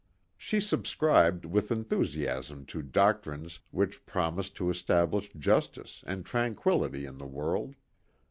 She subscribed with enthusiasm to doctrines which promised to establish justice and tranquility in the world.